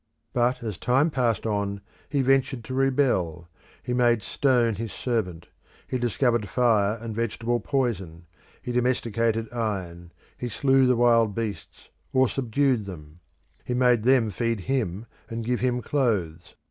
But as time passed on, he ventured, to rebel; he made stone his servant; he discovered fire and vegetable poison; he domesticated iron; he slew the wild beasts or subdued them; he made them feed him and give him clothes.